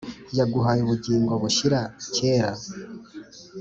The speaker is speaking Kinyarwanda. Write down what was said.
yaguhaye ubugingo bushyira kera,